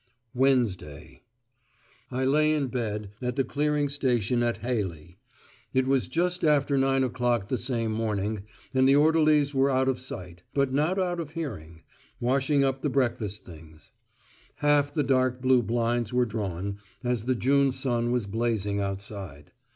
WEDNESDAY I lay in bed, at the clearing station at Heilly. It was just after nine o'clock the same morning, and the orderlies were out of sight, but not out of hearing, washing up the breakfast things. Half the dark blue blinds were drawn, as the June sun was blazing outside.